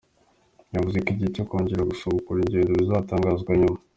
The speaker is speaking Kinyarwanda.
Bwavuze ko igihe cyo kongera gusubukura ingendo bizatangazwa nyuma.